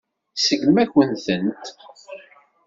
Iseggem-akent-tent.